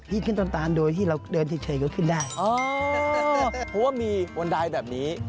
อ๋อเพราะว่ามีวรรดายแบบนี้